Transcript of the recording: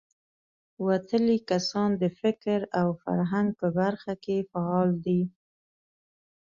وتلي کسان د فکر او فرهنګ په برخه کې فعال دي.